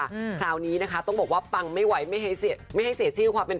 คราวนี้นะคะต้องบอกว่าปังไม่ไหวไม่ให้ไม่ให้เสียชื่อความเป็น